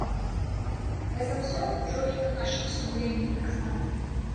Гэта ўсё ўжо і на нашым сумленні таксама.